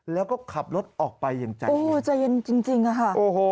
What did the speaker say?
แล้วก็ขับรถออกไปอย่างใจเย็นครับโอ๊ใจเย็นจริงอะค่ะโอ้โห